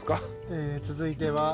続いては。